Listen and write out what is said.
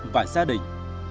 và gia đình